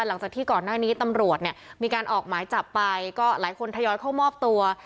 หลังจากที่ก่อนหน้านี้ตำรวจเนี่ยมีการออกหมายจับไปก็หลายคนทยอยเข้ามอบตัว